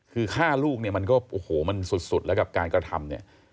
คือฆ่าลูกมันก็สุดแล้วกับการกระทำ